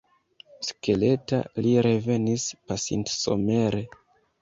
Skeleta li revenis pasintsomere.